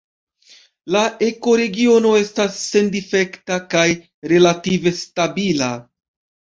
La ekoregiono estas sendifekta kaj relative stabila.